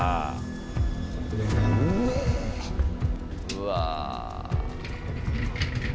うわ。